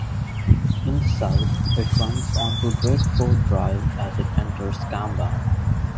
In the south, it runs onto Drakeford Drive as it enters Kambah.